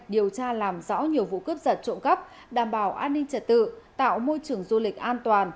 điều tra làm rõ nhiều vụ cướp giật trộm cắp đảm bảo an ninh trật tự tạo môi trường du lịch an toàn